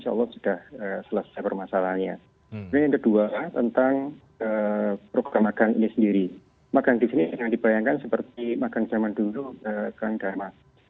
agang di sini yang dibayangkan seperti agang zaman dulu kan dharma